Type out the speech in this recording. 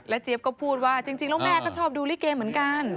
เจี๊ยบก็พูดว่าจริงแล้วแม่ก็ชอบดูลิเกเหมือนกัน